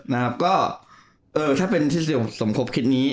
นะครับก็เออถ้าเป็นทฤษฎีส่งครบคิดนี้